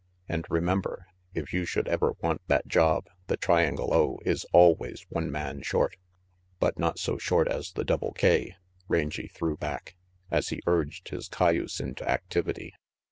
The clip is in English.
" And remember, if you 'should ever want that job, the Triangle O is always one man short." "But not so short as the Double K," Rangy threw back, as he urged his cay use into activity.